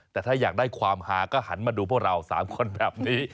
แต่ถ้าอยากได้ความหาก็หันมาดูพวกเรา๓คนแบบนี้